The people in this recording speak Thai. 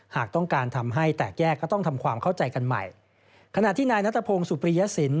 หากต้องการทำให้แตกแยกก็ต้องทำความเข้าใจกันใหม่ขณะที่นายนัทพงศ์สุปริยสิน